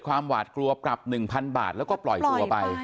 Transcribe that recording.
หวาดกลัวปรับ๑๐๐๐บาทแล้วก็ปล่อยตัวไป